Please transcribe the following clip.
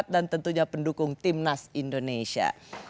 dan tentunya pendukung timnas indonesia